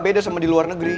beda sama di luar negeri